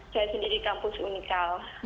saya sendiri kampus unikal